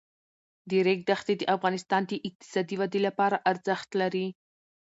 د ریګ دښتې د افغانستان د اقتصادي ودې لپاره ارزښت لري.